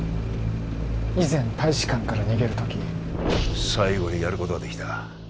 以前大使館から逃げる時最後にやることができた